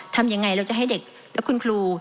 ทำยังไงเราจะให้เด็กและคุณครู